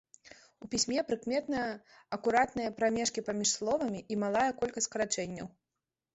У пісьме прыкметныя акуратныя прамежкі паміж словамі і малая колькасць скарачэнняў.